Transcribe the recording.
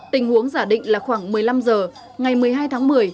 tình huống giả định là khoảng một mươi năm h ngày một mươi hai tháng một mươi